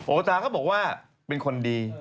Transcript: โอซาก็บอกว่าเป็นคนดี